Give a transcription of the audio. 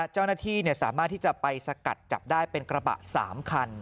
เจ้าหน้าที่สามารถที่จะไปสกัดจับได้เป็นกระบะ๓คัน